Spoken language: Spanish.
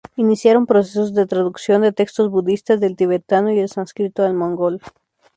Iniciaron procesos de traducción de textos budistas del tibetano y el sánscrito al mongol.